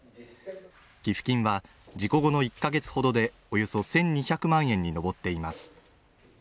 寄付金は事故後の１か月ほどでおよそ１２００万円に上っています